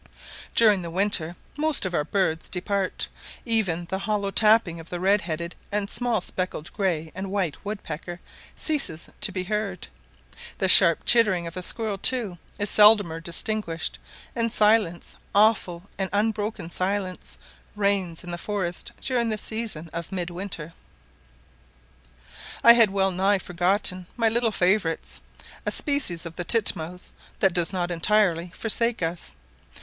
During the winter most of our birds depart; even the hollow tapping of the red headed and the small speckled grey and white woodpecker ceases to be heard; the sharp chittering of the squirrel, too, is seldomer distinguished; and silence, awful and unbroken silence, reigns in the forest during the season of midwinter. I had well nigh forgotten my little favourites, a species of the titmouse, that does not entirely forsake us.